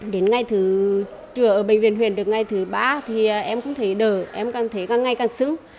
đến ngày thứ trưởng ở bệnh viện huyền được ngày thứ ba thì em cũng thấy đỡ em càng thấy càng ngày càng xứng